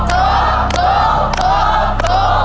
ถูกถูกถูกถูก